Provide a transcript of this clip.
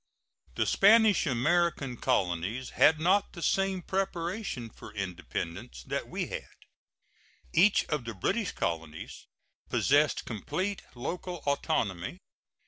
The Spanish American colonies had not the same preparation for independence that we had. Each of the British colonies possessed complete local autonomy.